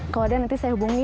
kalau ada nanti saya hubungi